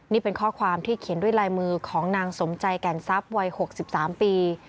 นี่เป็นข้อความที่เขียนด้วยลายมือของนางสมใจแก่นทรัพย์วัย๖๓ปี